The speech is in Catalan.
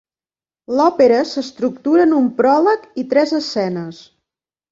L'òpera s'estructura en un pròleg i tres escenes.